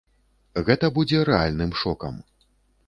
Гэта будзе рэальным шокам.